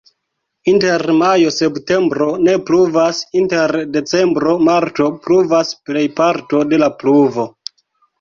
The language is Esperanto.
Inter majo-septembro ne pluvas, inter decembro-marto pluvas plejparto de la pluvo.